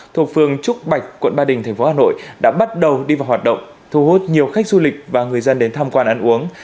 thuộc phường trúc bạch quận ba đình tp hà nội đã bắt đầu đi vào hoạt động thu hút nhiều khách du lịch và người dân đến tham quan ăn uống